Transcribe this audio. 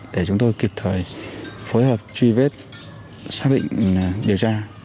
để chúng tôi kịp thời phối hợp truy vết xác định điều tra